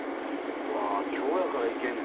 うわ今日やから行けんね